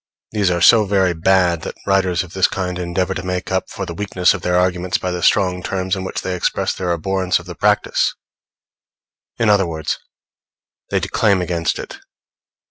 These are so very bad that writers of this kind endeavor to make up for the weakness of their arguments by the strong terms in which they express their abhorrence of the practice; in other words, they declaim against it.